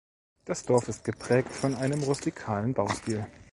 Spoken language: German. Das Dorf ist geprägt von einem rustikalen Baustil.